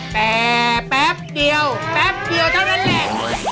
แต่แป๊บเดียวแป๊บเดียวเท่านั้นแหละ